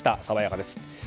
爽やかです。